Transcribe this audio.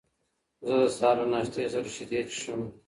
زه د سهار له ناشتې سره شیدې څښم.